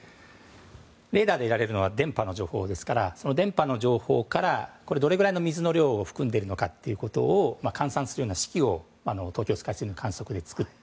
レーダーで得られるのは電波の情報ですからその電波の情報から、どれぐらい水の量を含んでいるのかを換算するような式を東京スカイツリーの観測所で作って